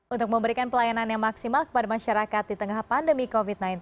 untuk memberikan pelayanan yang maksimal kepada masyarakat di tengah pandemi covid sembilan belas